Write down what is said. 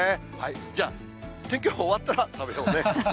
じゃあ、天気予報終わったら食べようね。